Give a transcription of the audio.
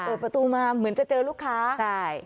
เปิดประตูมาเหมือนจะเจ้าลูกค้า